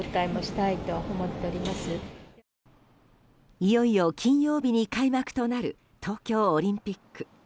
いよいよ金曜日に開幕となる東京オリンピック。